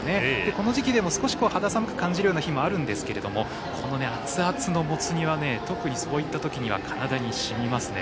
この時期でも少し肌寒く感じる日もありますがこの熱々のもつ煮は特にそういうときには体にしみますね。